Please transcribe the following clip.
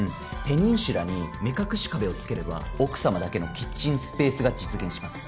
ペニンシュラに目隠し壁を付ければ奥様だけのキッチンスペースが実現します。